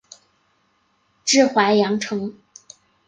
治淮阳城。